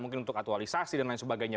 mungkin untuk atualisasi dan lain sebagainya